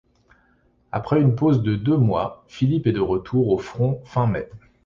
Après une pause de deux mois, Philipp est de retour au front fin mai.